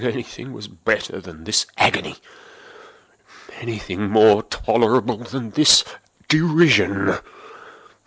But anything was better than this agony! Anything was more tolerable than this derision!